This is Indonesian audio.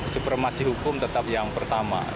supremasi hukum tetap yang pertama